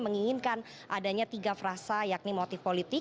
menginginkan adanya tiga frasa yakni multipolitik